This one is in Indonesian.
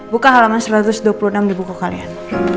buka halaman satu ratus dua puluh enam di buku kalian